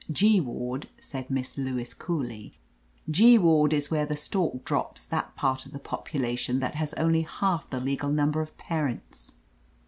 "G ward," said Miss Lewis coolly, "G ward is where the stork drops that part of the popu lation that has only half the legal number of parents.